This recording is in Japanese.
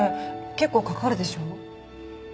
結構かかるでしょ？